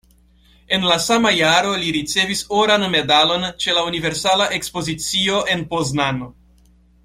En la sama jaro li ricevis Oran Medalon ĉe la Universala Ekspozicio en Poznano.